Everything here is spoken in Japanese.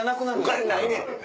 お金ないねん。